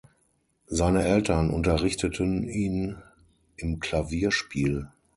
Seine Eltern unterrichteten ihn im Klavierspiel.